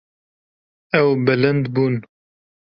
Ew bilind bûn.